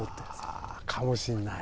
ああかもしれない。